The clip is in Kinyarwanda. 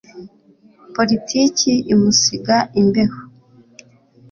Politiki imusiga imbeho